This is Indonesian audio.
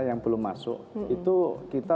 yang belum masuk itu kita